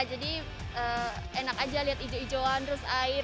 jadi enak aja lihat hijau hijauan terus air